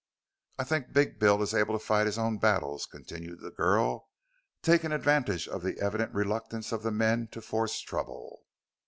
"I think Big Bill is able to fight his own battles," continued the girl, taking advantage of the evident reluctance of the men to force trouble.